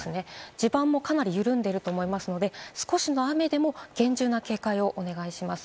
地盤もかなり緩んでると思いますので、少しの雨でも厳重な警戒をお願いします。